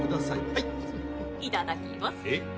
はいいただきますえっ？